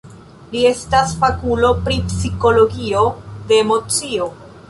Li estas fakulo pri psikologio de emocio.